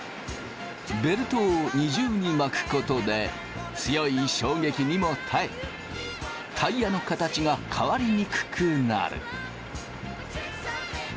ベルトを２重に巻くことで強い衝撃にも耐えタイヤの形が変わりにくくなる。